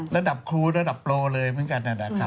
ระดับครูระดับโปรเลยเหมือนกัน